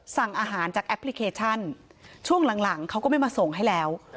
สั่งอาหารจากแอปพลิเคชันช่วงหลังเขาก็ไม่มาส่งให้แล้ว